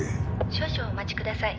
「少々お待ちください」